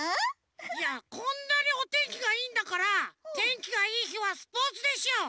いやこんなにおてんきがいいんだからてんきがいいひはスポーツでしょ！